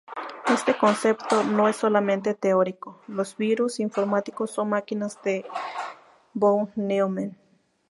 Este concepto no es solamente teórico: los virus informáticos son máquinas de von Neumann.